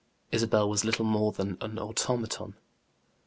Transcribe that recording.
Isabel was little more than an automaton.